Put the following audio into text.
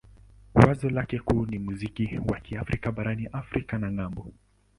Wazo lake kuu ni muziki wa Kiafrika barani Afrika na ng'ambo.